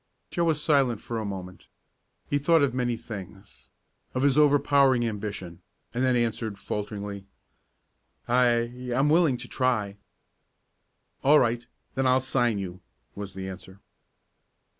Joe was silent for a moment. He thought of many things of his overpowering ambition, and then answered falteringly: "I I'm willing to try." "All right, then I'll sign you," was the answer.